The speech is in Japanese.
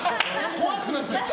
怖くなっちゃった。